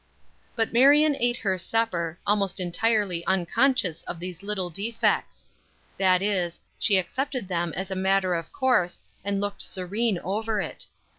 But Marion ate her supper, almost entirely unconscious of these little defects; that is, she accepted them as a matter of course and looked serene over it.